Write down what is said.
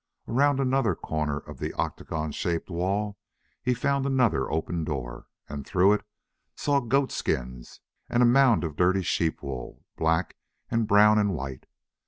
Around another corner of the octagon shaped wall he found another open door, and through it saw goat skins and a mound of dirty sheep wool, black and brown and white.